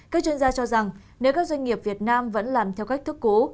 các chuyên gia cho rằng nếu các doanh nghiệp việt nam vẫn làm theo cách thức cố